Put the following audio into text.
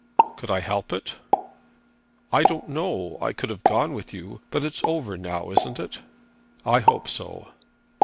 "Could I help it?" "I don't know. I could have gone with you. But it's over now, isn't it?" "I hope so."